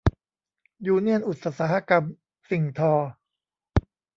ยูเนี่ยนอุตสาหกรรมสิ่งทอ